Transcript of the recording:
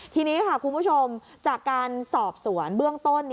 ทีนี้ค่ะคุณผู้ชมจากการสอบสวนเบื้องต้น